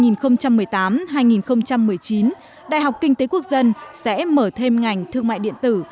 năm học hai nghìn một mươi chín đại học kinh tế quốc dân sẽ mở thêm ngành thương mại điện tử